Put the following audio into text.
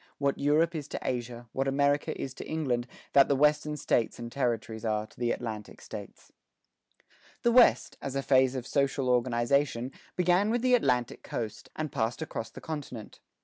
What Europe is to Asia, what America is to England, that the Western States and Territories are to the Atlantic States." The West, as a phase of social organization, began with the Atlantic coast, and passed across the continent.